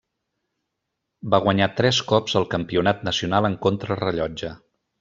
Va guanyar tres cops el Campionat nacional en contrarellotge.